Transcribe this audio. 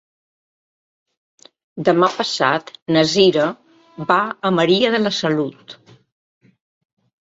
Demà passat na Cira va a Maria de la Salut.